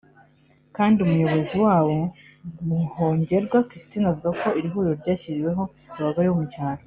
kandi umuyobozi wabo Muhongerwa Christine avuga ko irihuriro ryashyiriweho abagore bo mu cyaro